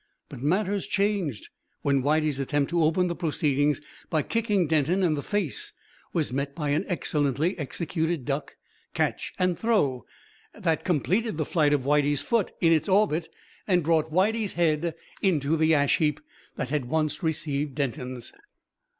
But matters changed when Whitey's attempt to open the proceedings by kicking Denton in the face was met by an excellently executed duck, catch and throw, that completed the flight of Whitey's foot in its orbit and brought Whitey's head into the ash heap that had once received Denton's.